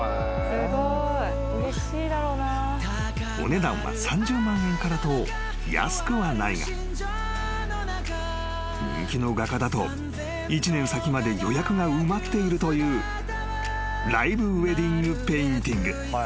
［お値段は３０万円からと安くはないが人気の画家だと１年先まで予約が埋まっているというライブ・ウェディング・ペインティング］